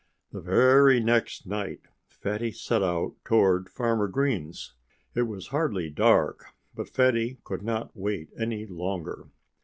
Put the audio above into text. The very next night Fatty set out toward Farmer Green's. It was hardly dark. But Fatty could not wait any longer.